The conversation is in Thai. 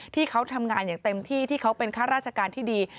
ที่เขาทำงานอย่างเต็มที่ที่เขาเป็นข้าราชการที่ดี